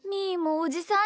おじさん！